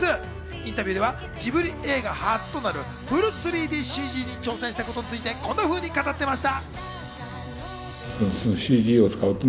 インタビューではジブリ映画初となるフル３ＤＣＧに挑戦したことについて、こんなふうに語っていました。